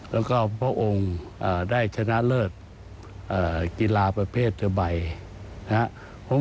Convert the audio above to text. แล้วก็พระองค์ได้ชนะเลิศกีฬาประเภทใหม่